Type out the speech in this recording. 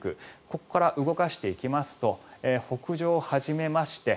ここから動かしていきますと北上を始めまして